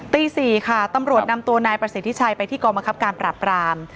ตี๔ค่ะตำรวจนำตัวนายประสิทธิชัยไปที่กองบังคับการปราบราม